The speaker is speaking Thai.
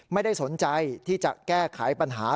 ไม่ได้สนใจที่จะแก้ไขปัญหา